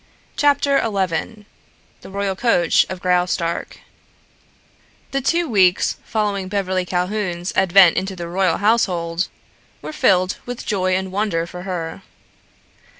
CHAPTER XI THE ROYAL COACH OF GRAUSTARK The two weeks following Beverly Calhoun's advent into the royal household were filled with joy and wonder for her.